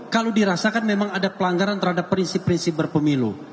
kalau dirasakan memang ada pelanggaran terhadap prinsip prinsip berpemilu